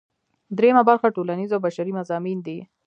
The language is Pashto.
دریمه برخه ټولنیز او بشري مضامین دي.